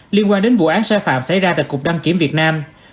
liên quan đến vụ án sai phạm xảy ra tại cục đăng kiểm việt nam